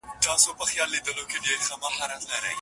په هغه شپه مي نیمګړی ژوند تمام وای